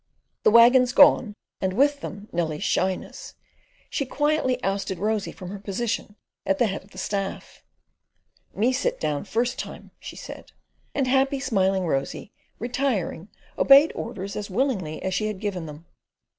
The waggons gone, and with them Nellie's shyness, she quietly ousted Rosy from her position at the head of the staff. "Me sit down first time," she said; and happy, smiling Rosy, retiring, obeyed orders as willingly as she had given them.